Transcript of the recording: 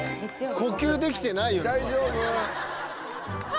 「呼吸できてないよねこれ」「大丈夫？」